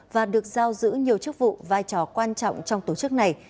và được giao giữ nhiều chức vụ vai trò quan trọng trong tổ chức này